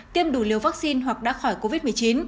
tiêm đủ liều vaccine hoặc đã khỏi covid một mươi chín